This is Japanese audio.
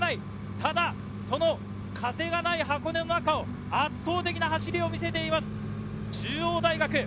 ただ、その風がない箱根の中を圧倒的な走りを見せています、中央大学。